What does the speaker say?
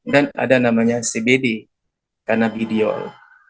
dan ada namanya cbd kanabidiol